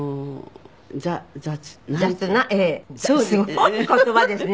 すごい言葉ですね。